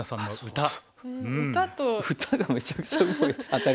歌がめちゃくちゃうまい。